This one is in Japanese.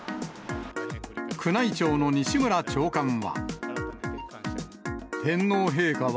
宮内庁の西村長官は。